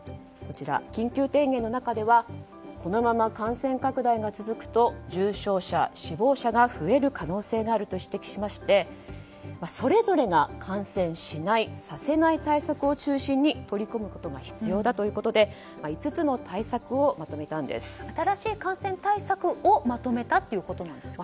緊急提言の中ではこのまま感染拡大が続くと重症者、死亡者が増える可能性があると指摘しましてそれぞれが感染しない、させない対策を中心に取り組むことが必要だということで５つの対策をまとめたんです。